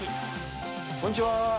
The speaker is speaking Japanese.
こんにちは。